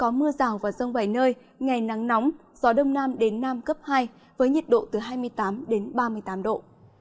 có mưa rào và rông vài nơi ngày nắng nóng gió đông nam đến nam cấp hai với nhiệt độ từ hai mươi tám đến ba mươi tám độ